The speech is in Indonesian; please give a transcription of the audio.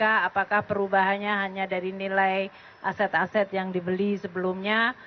apakah perubahannya hanya dari nilai aset aset yang dibeli sebelumnya